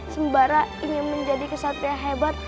sembara ingin menjadi kesatria hebat